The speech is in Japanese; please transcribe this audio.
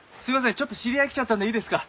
ちょっと知り合い来ちゃったんでいいですか？